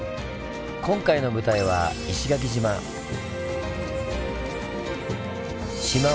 今回の舞台は石垣島。